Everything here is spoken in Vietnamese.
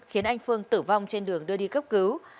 khiến anh phương tử vong trên đường đưa đi cấp cứu